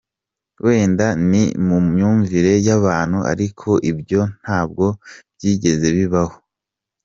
Wenda ni mu myumvire y’abantu ariko ibyo ntabwo byigeze bibaho.